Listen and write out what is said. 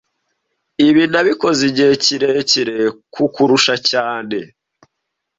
Ibi nabikoze igihe kirekire kukurusha cyane